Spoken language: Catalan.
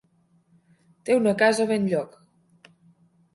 Té una casa a Benlloc.